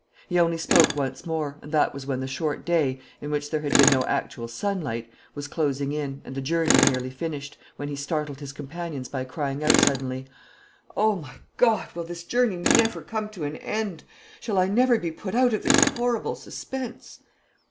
He only spoke once more, and that was when the short day, in which there had been no actual daylight, was closing in, and the journey nearly finished, when he startled his companions by crying out suddenly, "O my God! will this journey never come to an end? Shall I never be put out of this horrible suspense?"